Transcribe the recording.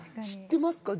知ってます